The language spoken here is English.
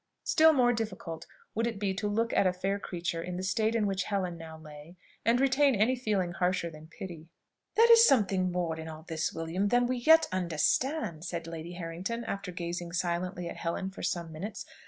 Still more difficult would it be to look at a fair creature in the state in which Helen now lay, and retain any feeling harsher than pity. "There is something more in all this, William, than we yet understand," said Lady Harrington, after gazing silently at Helen for some minutes.